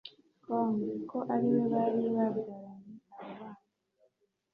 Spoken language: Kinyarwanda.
com ko ariwe bari babyaranye aba bana